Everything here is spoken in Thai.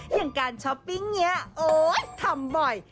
อย่างการช้อปปิ้งนี้โอ๊ยทำบ่อย